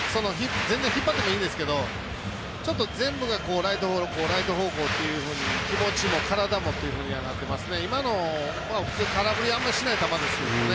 全然引っ張ってもいいんですけどちょっと全部がライト方向というふうに気持ちも体というふうになってますね。